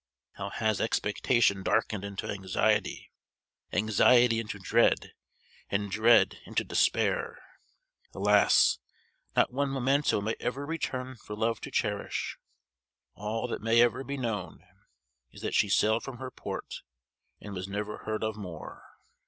How has expectation darkened into anxiety anxiety into dread and dread into despair! Alas! not one memento may ever return for love to cherish. All that may ever be known, is that she sailed from her port, "and was never heard of more!"